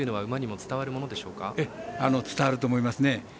伝わると思いますね。